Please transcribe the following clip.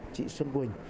chị xuân quỳnh